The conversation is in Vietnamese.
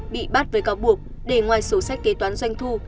bị bắt với cáo buộc để ngoài sổ sách kế toán doanh thu